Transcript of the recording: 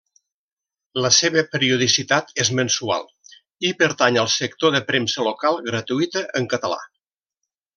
La seva periodicitat és mensual i pertany al sector de premsa local gratuïta en català.